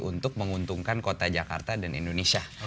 untuk menguntungkan kota jakarta dan indonesia